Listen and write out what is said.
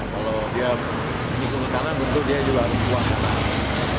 kalau dia mengikuti ke kanan tentu dia juga harus kuat